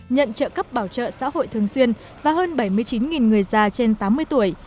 nhận trợ cấp bảo trợ xã hội thường xuyên và hơn bảy mươi chín người già trên tám mươi tuổi